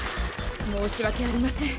申し訳ありません。